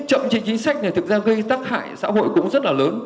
trợ chế chính sách này thực ra gây tác hại xã hội cũng rất lớn